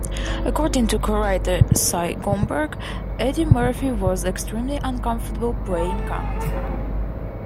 According to co-writer Sy Gomberg, Audie Murphy was extremely uncomfortable playing comedy.